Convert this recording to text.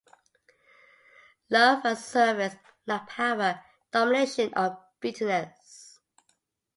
Love and Service, not Power, Domination or Bitterness.